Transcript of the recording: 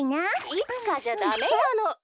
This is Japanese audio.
「いつかじゃダメなの。